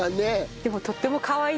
でもとってもかわいいです。